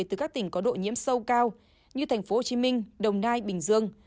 từ các tỉnh có độ nhiễm sâu cao như thành phố hồ chí minh đồng nai bình dương